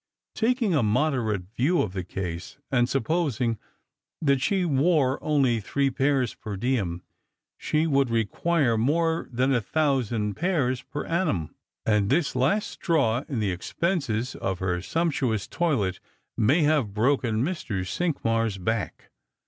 Taking a moderate view of the case, and supposing that she wore only three pairs per diem, she would require more than a thousand pairs per annum, and this last straw in the expenses of her sumptuous toilet may have broken Mr. Cinqmars' back.